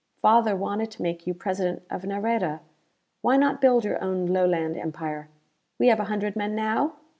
Father wanted to make you President of Nareda. Why not build your own Lowland Empire? We have a hundred men now?